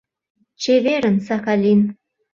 Чеверын, Сахалин!